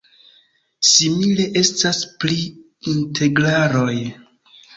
Simile estas pri integraloj.